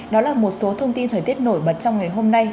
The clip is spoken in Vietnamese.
đó là một số thông tin thời tiết nổi bật trong ngày hôm nay